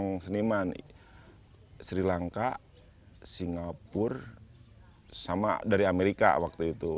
seorang seniman sri lanka singapura sama dari amerika waktu itu